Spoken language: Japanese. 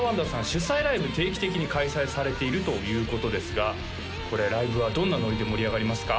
主催ライブ定期的に開催されているということですがこれライブはどんなノリで盛り上がりますか？